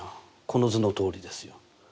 この図のとおりですよ。